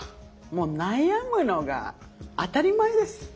もう悩むのが当たり前です。